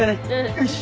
よし。